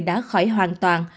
đã khỏi hoàn toàn